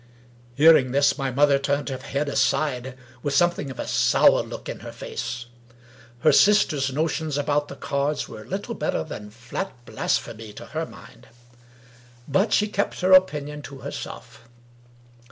Hearing this, my mother turned her head aside, with something of a sour look in her face. Her sister's notions about the cards were little better than flat blasphemy to her mind. But she kept her opinion to herself.